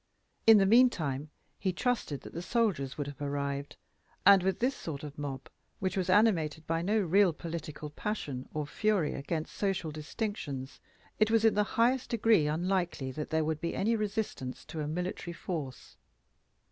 In the meantime he trusted that the soldiers would have arrived, and with this sort of mob which was animated by no real political passion or fury against social distinctions, it was in the highest degree unlikely that there would be any resistance to a military force.